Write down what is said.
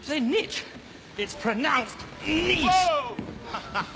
ハハハ。